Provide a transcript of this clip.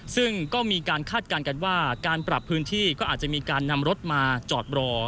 ซึ่งก็มีการคาดการณ์กันว่าการปรับพื้นที่ก็อาจจะมีการนำรถมาจอดรอ